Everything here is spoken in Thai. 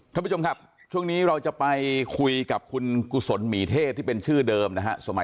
ท่านผู้ชมครับช่วงนี้เราจะไปคุยกับคุณกุศลหมีเทศที่เป็นชื่อเดิมนะฮะ